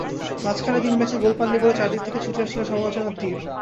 মাঝখানে তিন ম্যাচে গোল পাননি বলে চারদিক থেকে ছুটে আসছিল সমালোচনার তির।